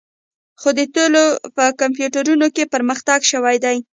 خو د تیلو په کمپیوټرونو کې پرمختګ شوی دی